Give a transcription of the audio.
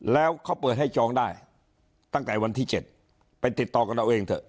แล้วเขาเปิดให้จองได้ตั้งแต่วันที่๗ไปติดต่อกับเราเองเถอะ